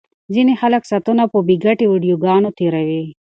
ځینې خلک ساعتونه په بې ګټې ویډیوګانو تیروي.